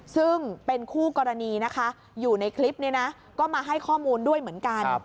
ซึ่งเป็นคู่กรณีนะคะอยู่ในคลิปนี้นะก็มาให้ข้อมูลด้วยเหมือนกัน